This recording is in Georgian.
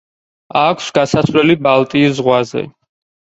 აქვს გასასვლელი ბალტიის ზღვაზე.